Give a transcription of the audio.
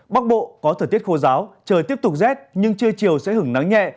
bắc bộ có thời tiết khô giáo trời tiếp tục rét nhưng trưa chiều sẽ hứng nắng nhẹ